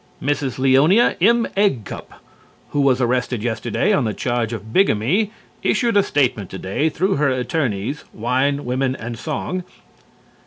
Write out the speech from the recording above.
Mrs. Leonia M. Eggcup, who was arrested yesterday on the charge of bigamy, issued a statement today through her attorneys, Wine, Women and Song.